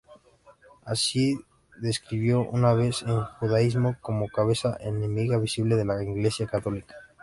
Así describió una vez el judaísmo como "cabeza enemiga visible de la Iglesia Católica.